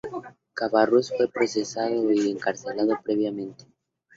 Cabarrús fue procesado y encarcelado preventivamente.